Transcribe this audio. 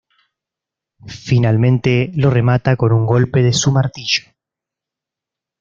Finalmente lo remata con un golpe de su martillo.